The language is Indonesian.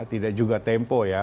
tidak juga tempo ya